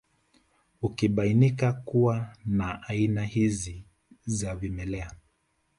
Ukibainika kuwa na aina hizi za vimelea